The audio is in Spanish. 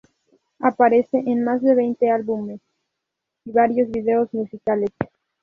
Aparece en más de veinte álbumes y varios vídeos musicales.